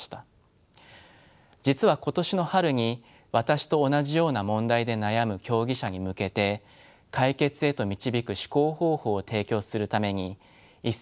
実は今年の春に私と同じような問題で悩む競技者に向けて解決へと導く思考方法を提供するために一冊の本を書きました。